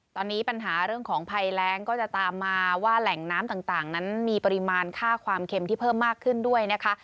ตอนนี้ปัญหาเรื่องของภัยแรงก็จะตามมาว่าแหล่งน้ำต่างนั้นมีปริมาณค่าความเค็มที่เพิ่มมากขึ้นด้วยนะคะ